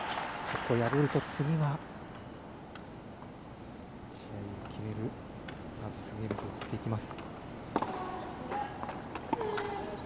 ここを破ると、次は試合を決めるサービスゲームと移っていきます。